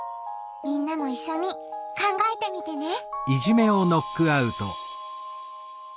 みんなもいっしょに考えてみてね